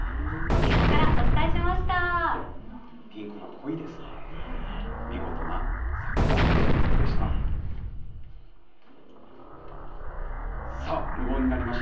沖縄からお伝えしました。